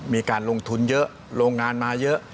มีการลงทุนเยอะโรงงานมาเยอะ